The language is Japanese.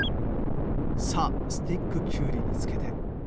さあスティックきゅうりにつけて。